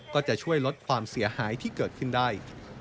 ก็จะช่วยลดความเสียหายที่เกิดขึ้นได้